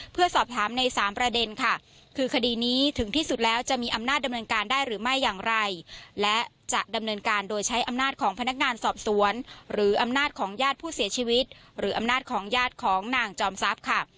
เพื่อสอบถามในสามประเด็นค่ะคือคดีนี้ถึงที่สุดแล้วจะมีอำนาจดำเนินการได้หรือไม่อย่างไรและจะดำเนินการโดยใช้อำนาจของพนักงานสอบสวนหรืออำนาจของญาติผู้เสียชีวิตหรืออำนาจของญาติของนางจอมทรัพย์ค่ะ